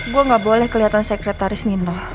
gue gak boleh kelihatan sekretaris nino